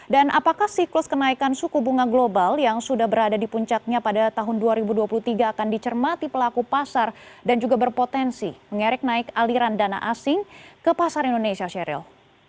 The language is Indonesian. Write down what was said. dan apakah siklus kenaikan suku bunga global yang sudah berada di puncaknya pada tahun dua ribu dua puluh tiga akan dicermati pelaku pasar dan juga berpotensi mengerik naik aliran dana asing ke pasar indonesia sheryl